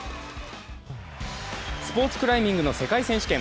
スポーツクライミングの世界選手権。